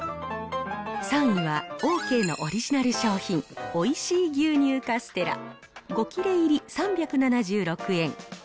３位は、オーケーのオリジナル商品、おいしい牛乳カステラ５切れ入り３７６円。